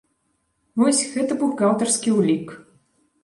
Вось, гэта бухгалтарскі ўлік!